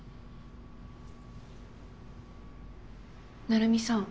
成海さん。